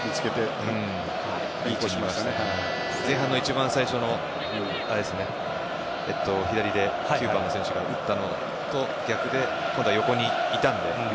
前半の一番最初の左で９番の選手が打ったのとは逆で、今度は横にいたので。